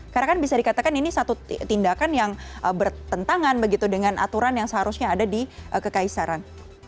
karena kan bisa dikatakan ini satu tindakan yang bertentangan dengan aturan yang seharusnya ada di kekaisaran